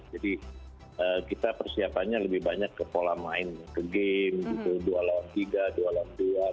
jadi kita persiapannya lebih banyak ke pola main ke game dua lawan tiga dua lawan dua